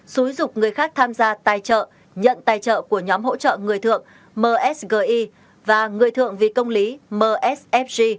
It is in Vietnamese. xúi dục người khác tham gia tài trợ nhận tài trợ của nhóm hỗ trợ người thượng msgi và người thượng vì công lý msfg